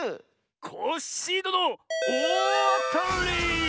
⁉コッシーどのおおあたり！